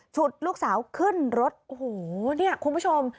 ฉุดลูกสาวขึ้นรถโอ้โหเนี่ยคุณผู้ชม